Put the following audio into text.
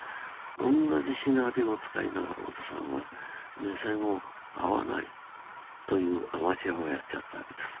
同じシナリオを使いながら小津さんは目線を合わないというアマチュアをやっちゃったわけです。